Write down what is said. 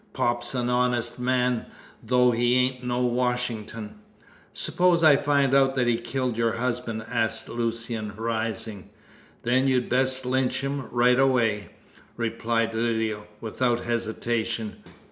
Pop's an honest man, though he ain't no Washington." "Suppose I find out that he killed your husband?" asked Lucian, rising. "Then you'd best lynch him right away," replied Lydia without hesitation.